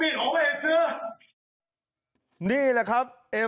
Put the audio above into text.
ไม่ได้ที่บ้านนี้๐๖พิวปี้กูทรึ่มจงด้วยกูไม่เห็นเชื้อ